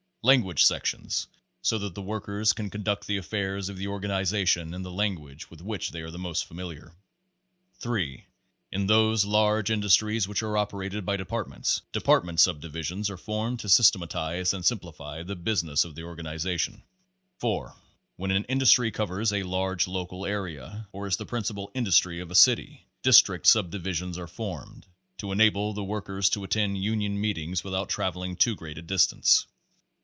Language sections, so that the workers can con duct the affairs of the organization in the language with which they are the most familiar. 3. In those large industries which are operated by departments, DEPARTMENT subdivisions are formed to systematize and simplify the business of the organ ization. Page Fourteen 4. When an industry covers a large local area, or is the principal industry of a city, DISTRICT subdivisions are formed, to enable the workers to attend union.meet ings without traveling too great a distance.